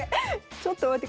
ちょっと待って。